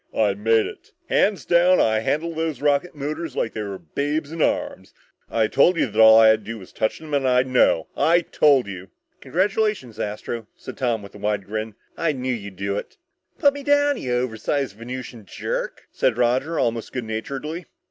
"I made it hands down I handled those rocket motors like they were babes in arms! I told you that all I had to do was touch them and I'd know! I told you!" "Congratulations, Astro," said Tom with a wide grin. "I knew you'd do it." "Put me down, you oversized Venusian jerk," said Roger, almost good naturedly.